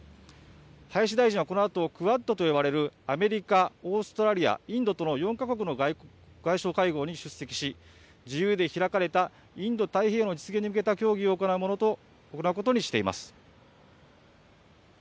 林大臣はこのあとクアッドと呼ばれるアメリカ、オーストラリア、インドとの４か国の外相会合に出席し、自由で開かれたインド太平洋の実現に向けた協議を行うことにしています。